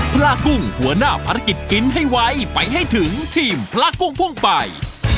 พระกุ้งหัวหน้าภารกิจกินให้ไวไปให้ถึงทีมพระกุ้งพุ่งไป